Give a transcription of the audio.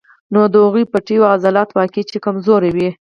نو د هغو پټې او عضلات واقعي چې کمزوري وي